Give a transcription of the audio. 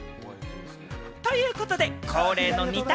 ということで恒例の二択